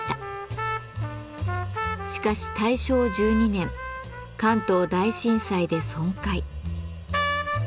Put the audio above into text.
しかし大正１２年関東大震災で損壊。